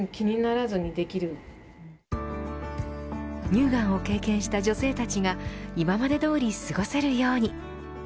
乳がんを経験した女性たちが今までどおり過ごせるように。